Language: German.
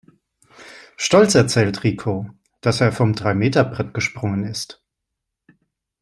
Stolz erzählt Rico, dass er vom Dreimeterbrett gesprungen ist.